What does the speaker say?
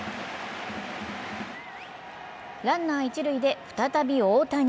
ランナー、一塁で再び大谷。